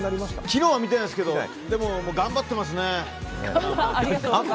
昨日は見てないですけど頑張ってますね。